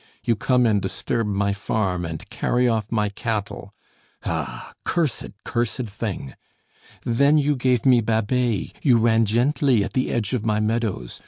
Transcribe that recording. You come and disturb my farm, and carry off my cattle. Ah! cursed, cursed thing. Then you gave me Babet, you ran gently at the edge of my meadows.